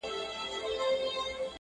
دپاچا نزدېکت اور دئ.